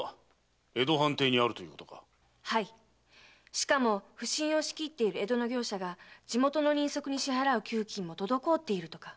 しかも普請を仕切っている江戸の業者が地元の人足に支払う給金も滞っているとか。